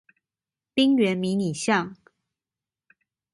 冰原迷你象